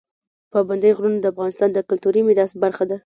پابندی غرونه د افغانستان د کلتوري میراث برخه ده.